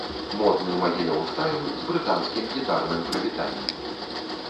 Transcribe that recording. Модны магілёў-стайл з брытанскім гітарным прывітаннем!